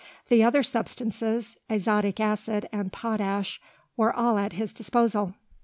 The other substances, azotic acid and potash, were all at his disposal.